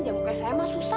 jamu kayak saya mah susah